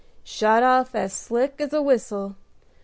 Shot off as slick as a whistle.